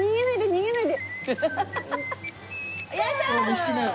逃げないで。